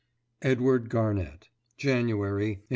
EDWARD GARNETT. _January 1896.